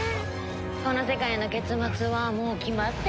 この世界の結末はもう決まってるのに。